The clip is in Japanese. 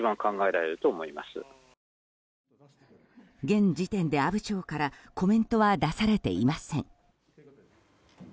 現時点で阿武町からコメントは出されていません。